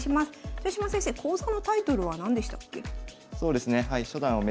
豊島先生講座のタイトルは何でしたっけ？